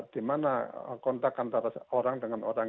di mana kontak antara orang dengan orang